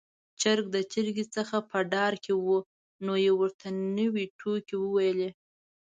چرګ د چرګې څخه په ډار کې و، نو يې ورته نوې ټوکې وويلې.